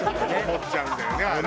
思っちゃうんだよ。